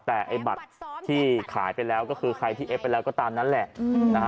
แต่ไอ้บัตรที่ขายไปแล้วก็คือใครที่เอฟไปแล้วก็ตามนั้นแหละนะฮะ